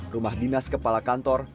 rumah dinas kepala kantor